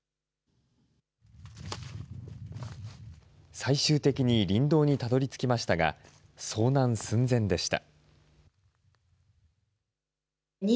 最終的に林道にたどりつきましたが、遭難寸前でした。